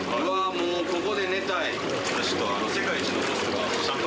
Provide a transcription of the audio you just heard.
もうここで寝たい。